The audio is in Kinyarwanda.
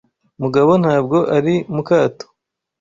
Mugabo ntabwo ari mukato